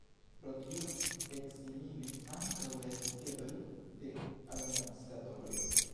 Pro tio eksimilis ankaŭ la etikedoj de alumetskatoloj.